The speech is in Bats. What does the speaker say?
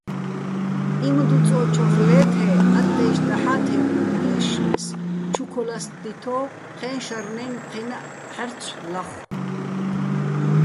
იმდუწო́ჩოხ ლე́თ-ე ა́ტტაჲში̆ დაჰ̦ა́ თე́ბლოდო̆ ე́შშმეს, ჩუ ქოლასტდითო̆, ჴეჼ შარნაჲნო̆ ჴენაჸ ჺა́რცო̆ ლახო̆.